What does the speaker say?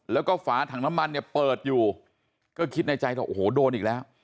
แล้วก็ฝาถังน้ำมันเนี่ยเปิดอยู่ก็คิดในใจว่าโอ้โหโดนอีกแล้ว